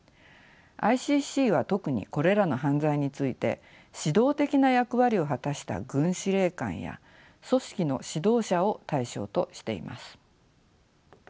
ＩＣＣは特にこれらの犯罪について指導的な役割を果たした軍司令官や組織の指導者を対象としています。